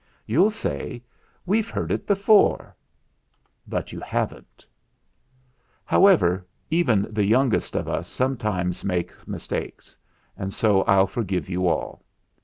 You'll say 'We've heard it before'; but you haven't. However, even the youngest of us sometimes 140 THE FLINT HEART make mistakes, and so I'll forgive you all.